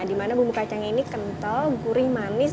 di mana bumbu kacangnya ini kental gurih dan enak